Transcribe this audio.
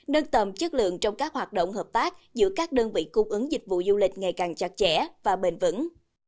nâng tầm chất lượng trong các hoạt động hợp tác giữa các đơn vị cung ứng dịch vụ du lịch ngày càng chặt chẽ và bền vững